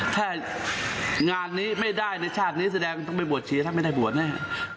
ถ้างานนี้ไม่ได้ในชาดนี้แสดงไปบวชชีไม่ได้บวชแน่